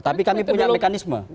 tapi kami punya mekanisme